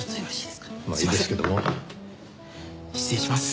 失礼します。